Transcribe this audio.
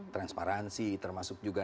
transparansi termasuk juga